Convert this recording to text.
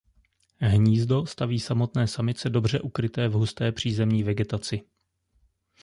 Hnízdo staví samotná samice dobře ukryté v husté přízemní vegetaci.